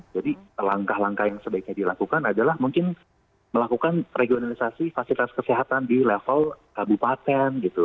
jadi langkah langkah yang sebaiknya dilakukan adalah mungkin melakukan regionalisasi fasilitas kesehatan di level kabupaten gitu